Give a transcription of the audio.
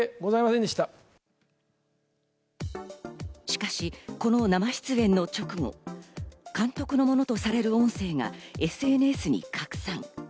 しかし、この生出演の直後、監督のものとされる音声がＳＮＳに拡散。